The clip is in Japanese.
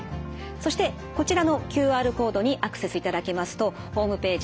そしてこちらのＱＲコードにアクセスいただきますとホームページ